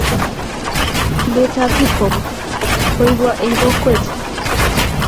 tulet ap hip hop kuipwa eng kokwet